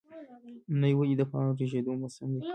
منی ولې د پاڼو ریژیدو موسم دی؟